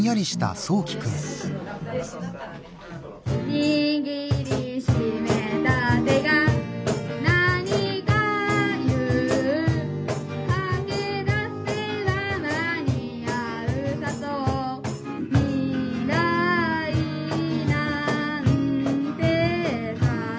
「握りしめた手が何か言う」「駆けだせば間に合うさと」「未来なんてさ」